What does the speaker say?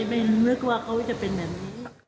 ไม่นึกว่าเขาจะเป็นแบบนี้